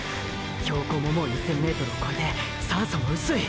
標高ももう２０００ｍをこえて酸素も薄い！！